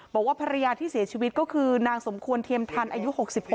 บอกว่าภรรยาที่เสียชีวิตก็คือนางสมควรเทียมทันอายุ๖๖